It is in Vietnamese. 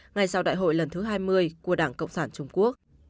ngay sau đại hội lần thứ hai mươi của đảng cộng sản trung quốc